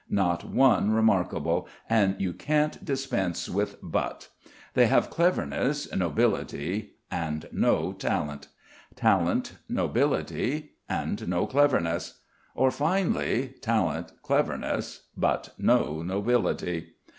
Not one remarkable, and you can't dispense with "but." They have cleverness, nobility, and no talent; talent, nobility and no cleverness; or finally, talent, cleverness, but no nobility.